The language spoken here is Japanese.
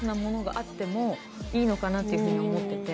いいのかなっていうふうに思ってて。